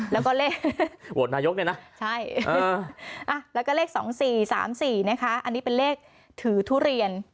แล้วก็เลข๒๔๓๔เป็นเลขถือทุเรียน